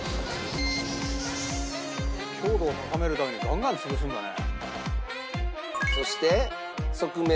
強度を高めるためにガンガン潰すんだね。